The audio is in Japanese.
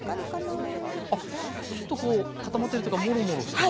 あっちょっとこう固まってるというかもろもろしてますね。